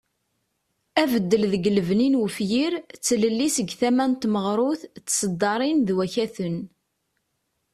Abeddel deg lbeni n ufyir ,d tlelli seg tama n tmeɣrut d tesddarin d wakaten.